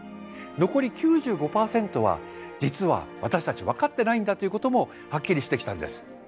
残り９５％は実は私たち分かってないんだということもはっきりしてきたんです。